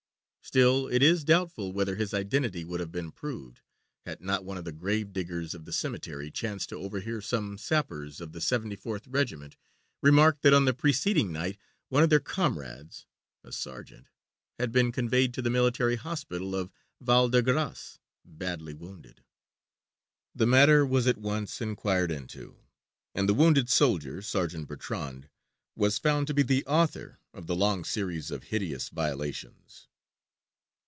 Still, it is doubtful whether his identity would have been proved, had not one of the grave diggers of the cemetery chanced to overhear some sappers of the 74th Regiment remark that on the preceding night one of their comrades a sergeant had been conveyed to the military hospital of Val de Grâce badly wounded. The matter was at once inquired into, and the wounded soldier, Sergeant Bertrand, was found to be the author of the long series of hideous violations.